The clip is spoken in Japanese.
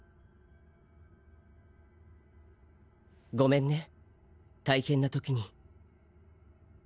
ごめんね大変な時に。